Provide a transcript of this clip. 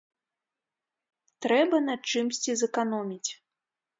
Трэба на чымсьці зэканоміць.